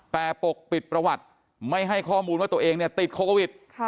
แต่ปกปิดประวัติไม่ให้ข้อมูลว่าตัวเองเนี่ยติดโควิด